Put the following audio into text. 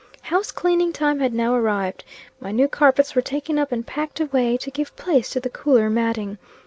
House cleaning time had now arrived. My new carpets were taken up and packed away, to give place to the cooler matting.